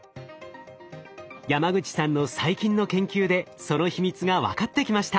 山口さんの最近の研究でその秘密が分かってきました。